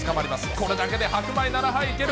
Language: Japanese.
これだけで白米７杯いける。